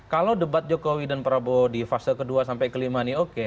kalau debat jokowi dan prabowo di fase kedua sampai kelima ini oke